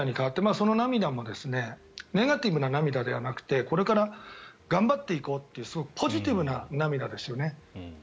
その涙もネガティブな涙ではなくてこれから頑張っていこうっていうすごくポジティブな涙ですよね。